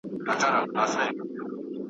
دېوال نم زړوي خو انسان غم زړوي ,